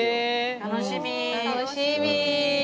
楽しみ！